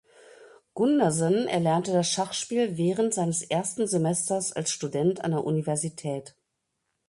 Gundersen erlernte das Schachspiel während seines ersten Semesters als Student an der Universität.